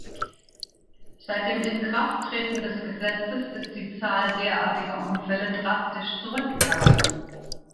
Seit dem Inkrafttreten des Gesetzes ist die Zahl derartiger Unfälle drastisch zurückgegangen.